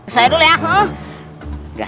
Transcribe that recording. saya dulu ya